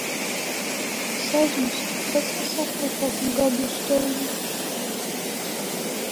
Es aizmirsu, kāpēc mēs atkal pētām Gabiju Stounu?